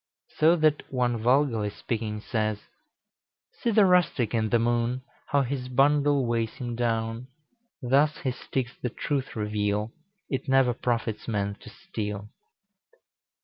So that one vulgarly speaking says, "See the rustic in the Moon, How his bundle weighs him down; Thus his sticks the truth reveal, It never profits man to steal."